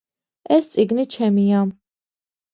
ეს წიგნი ჩემია